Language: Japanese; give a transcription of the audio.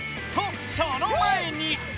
とその前に！